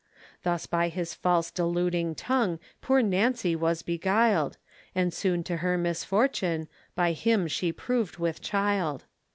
Thus by his false deluding tongue Poor Nancy was beguil'd, And soon to her misfortune, By him she proved with child.